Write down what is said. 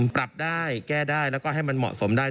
ปรับได้แก้ได้แล้วก็ให้มันเหมาะสมได้